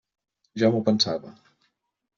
Ja m'ho pensava.